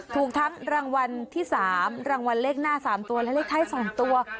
ถูกทั้งรางวัลที่๓รางวัลเลขหน้า๓ตัวและเลขท้าย๒ตัว